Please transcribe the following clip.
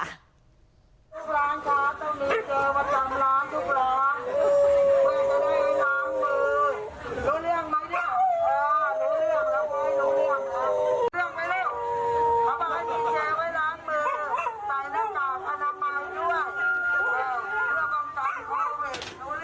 ล้างมือใส่หน้ากากอนามัยด้วย